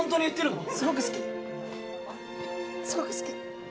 すごく好き。